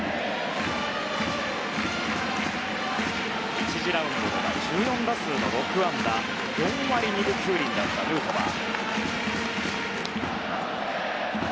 １次ラウンド１４打数６安打４割２分９厘だったヌートバー。